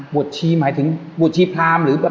บวชชีหมายถึงบวชชีพรามหรือ